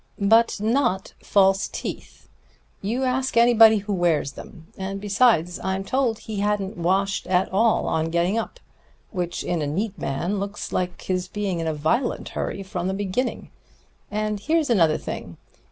"But not false teeth. You ask anybody who wears them. And besides, I'm told he hadn't washed at all on getting up, which in a neat man looks like his being in a violent hurry from the beginning. And here's another thing.